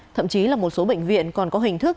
thậm chí là một số bệnh viện còn có hình thức